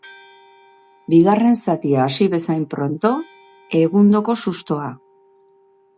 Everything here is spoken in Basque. Bigarren zatia hasi bezain pronto, egundoko sustoa.